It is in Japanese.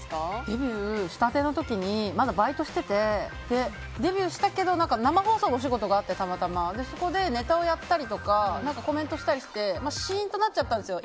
デビューしたての時にまだ、バイトをしててデビューしたけど生放送のお仕事がたまたまあってそこでネタをやったりとかコメントしたりしてシーンとなっちゃったんですよ。